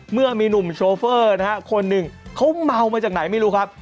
เมื่อมีหนุ่มโชเฟอร์นะฮะคนหนึ่งเขาเมามาจากไหนไม่รู้ครับ